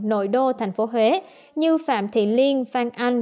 nội đô thành phố huế như phạm thị liên phan anh